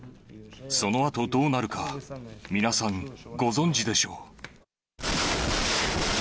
そのあとどうなるか、皆さんご存じでしょう。